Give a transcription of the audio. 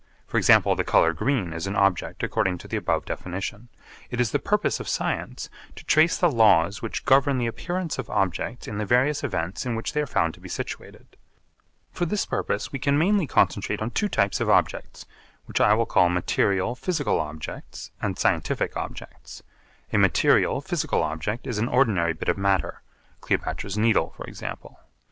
For example, the colour green is an object according to the above definition. It is the purpose of science to trace the laws which govern the appearance of objects in the various events in which they are found to be situated. For this purpose we can mainly concentrate on two types of objects, which I will call material physical objects and scientific objects. A material physical object is an ordinary bit of matter, Cleopatra's Needle for example.